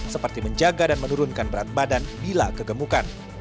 seperti menjaga dan menurunkan berat badan bila kegemukan